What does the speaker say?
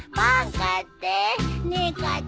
買ってよ。